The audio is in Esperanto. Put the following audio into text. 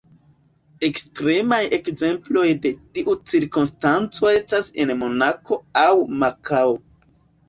Ekstremaj ekzemploj de tiu cirkonstanco estas en Monako aŭ Makao.